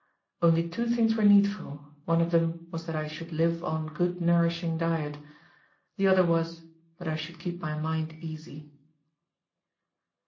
Only two things were needful. One of them was that I should live on good nourishing diet. The other was, that I should keep my mind easy.